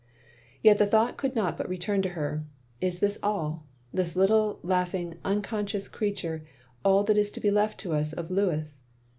342 THE LONELY LADY Yet the thought cotild not but return to her — Is this all? this little, laughing, unconscious creat ure all that is left to us of Louis?